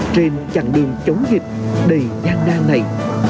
trên chặng đường chống dịch đầy nhanh nang này